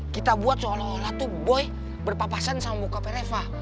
kita buat seolah olah tuh boy berpapasan sama muka peleva